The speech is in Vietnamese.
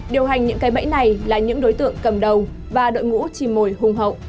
điều hành những cái bẫy này là những đối tượng cầm đầu và đội ngũ chim mồi hung hậu